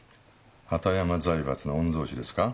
畑山財閥の御曹司ですか？